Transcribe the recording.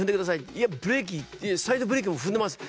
「いやブレーキサイドブレーキも踏んでます」。